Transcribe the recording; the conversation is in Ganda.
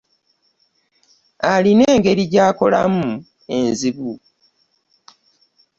Alina engeri gy'akolamu enzibu.